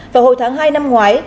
vào hồi tháng hai năm ngoái